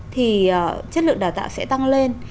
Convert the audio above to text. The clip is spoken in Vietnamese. thì chất lượng đào tạo sẽ tăng lên